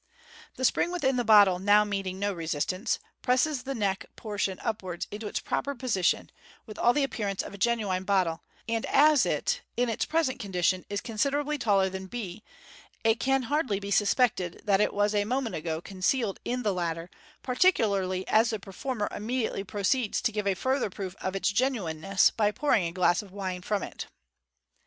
The spring within the bottle now meeting no resistance, presses the neck portion upwards into its proper position, with all the appearance of a genuine bottle j and as it, in its present condition, is considerably taller than B, it can hardly be suspected that it was a moment ago concealed in the latter, par ticularly as the performer immediately proceeds to give a further proof of its genuineness by pouring a glass of wine from it.